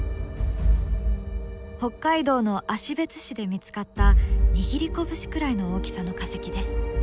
北海道の芦別市で見つかった握り拳くらいの大きさの化石です。